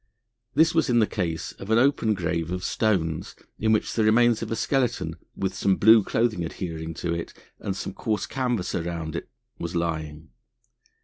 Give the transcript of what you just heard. This was in the case of an open grave of stones in which the remains of a skeleton, with some blue cloth adhering to it and some coarse canvas around it, was lying.